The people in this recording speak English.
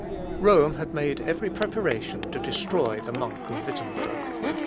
Rome had made every preparation to destroy the monk of Wittemberg.